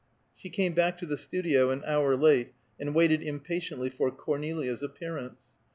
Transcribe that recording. She came back to the studio an hour later, and waited impatiently for Cornelia's appearance.